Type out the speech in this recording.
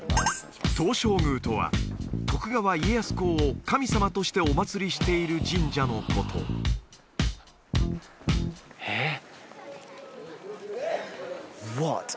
東照宮とは徳川家康公を神様としてお祀りしている神社のことえっ？